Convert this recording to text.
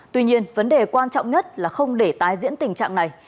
tuy nhiên vấn đề quan trọng nhất là không để tái diễn tình trạng này